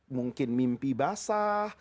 mungkin mimpi basah